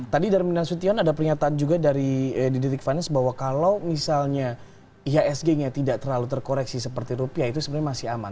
tadi dari minas wittion ada pernyataan juga dari didrik vannes bahwa kalau misalnya ihsg nya tidak terlalu terkoreksi seperti rupiah itu sebenarnya masih aman